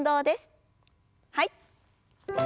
はい。